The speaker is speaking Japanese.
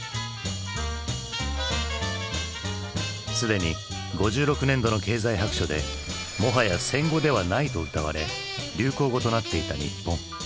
すでに５６年度の経済白書で「もはや戦後ではない」とうたわれ流行語となっていた日本。